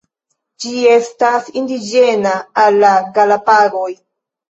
Ĝi estas indiĝena al la Galapagoj.